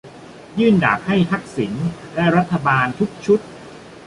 ยื่นดาบให้ "ทักษิณ" และรัฐบาลทุกชุด